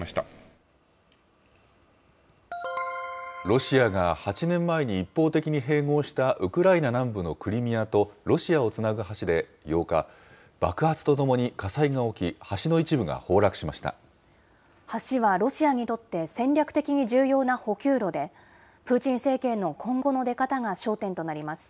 ロシアが８年前に一方的に併合したウクライナ南部のクリミアとロシアをつなぐ橋で８日、爆発とともに火災が起き、橋の一部が橋はロシアにとって戦略的に重要な補給路で、プーチン政権の今後の出方が焦点となります。